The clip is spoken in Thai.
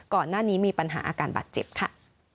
ก่อนหน้านี้มีปัญหาอาการบาดเจ็บค่ะ